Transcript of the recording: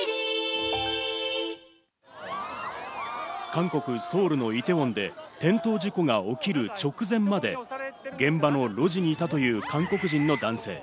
韓国ソウルのイテウォンで、転倒事故が起きる直前まで、現場の路地にいたという韓国人の男性。